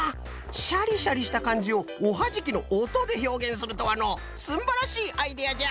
シャリシャリしたかんじをおはじきのおとでひょうげんするとはのうすんばらしいアイデアじゃ。